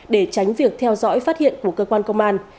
để tránh việc theo dõi phát hiện của cơ quan công an